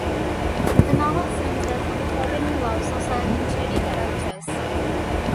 The novel centers on the forbidden loves of certain Jedi characters.